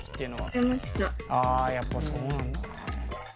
あやっぱそうなんだ。